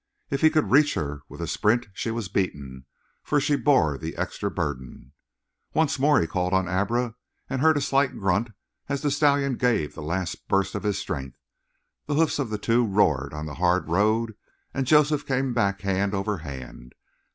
If he could reach her with a sprint she was beaten, for she bore the extra burden. Once more he called on Abra, and heard a slight grunt as the stallion gave the last burst of his strength; the hoofs of the two roared on the hard road, and Joseph came back hand over hand.